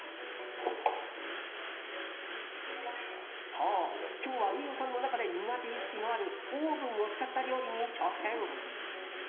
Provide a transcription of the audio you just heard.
そう、今日は飯尾さんの中で苦手意識のあるオーブンを使った料理に挑戦。